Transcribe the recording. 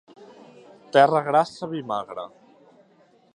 Terra grassa, vi magre.